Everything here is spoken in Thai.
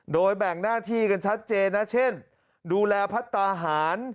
โดยแบ่งหน้าที่กันชัดเจนนะเช่นดูแลพัฒนาหาร